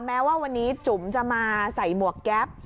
แม้ว่าวันนี้จุ๋มจะมาใส่หมวกแก๊ป